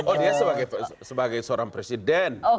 oh dia sebagai seorang presiden